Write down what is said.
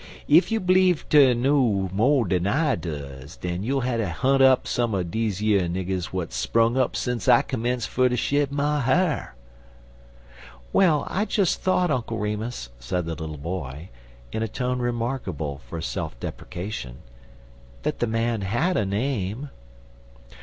Ef you bleedzd ter know mo' dan w'at I duz, den you'll hatter hunt up some er deze yer niggers w'at's sprung up sence I commence fer ter shed my ha'r." "Well, I just thought, Uncle Remus," said the little boy, in a tone remarkable for self depreciation, "that the man had a name."